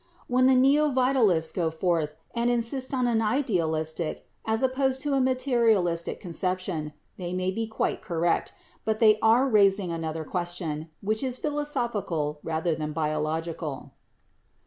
When the neo vitalists go further, and insist on an idealistic as opposed to a materialistic conception, they may be quite correct, but they are raising another question, which is philosophi cal rather than biological."